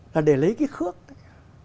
là để lấy cái khước đấy